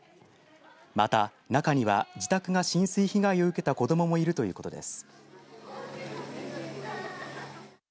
また、中には自宅が浸水被害を受けた子どももいるということです。